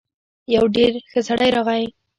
يو ډېر ښه سړی راغی.